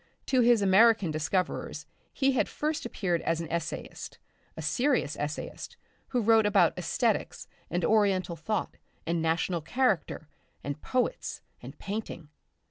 To his American discoverers he had first appeared as an essayist, a serious essayist who wrote about aesthetics and Oriental thought and national character and poets and painting.